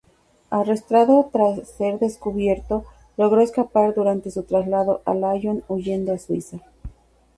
Arrestado tras ser descubierto, logró escapar durante su traslado a Lyon, huyendo a Suiza.